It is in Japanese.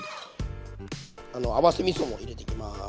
合わせみそも入れていきます。